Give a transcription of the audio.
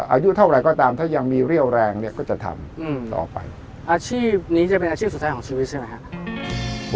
อายุเท่าไหร่ก็ตามถ้ายังมีเรี่ยวแรงเนี่ยก็จะทำต่อไปอาชีพนี้จะเป็นอาชีพสุดท้ายของชีวิตใช่ไหมครับ